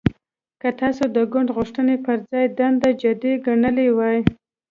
که تاسو د ګوند غوښتنو پر ځای دنده جدي ګڼلې وای